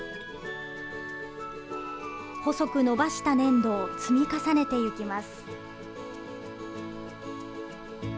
細く伸ばした粘土を積み重ねていきます。